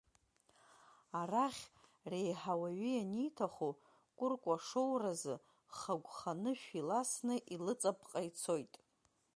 Арахь, реиҳа уаҩы ианиҭаху, кәыркәа шоуразы, хагәха анышә иласны, илыҵапҟа ицоит…